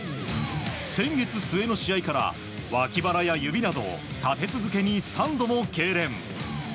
先月末の試合からわき腹や指などを立て続けに３度もけいれん。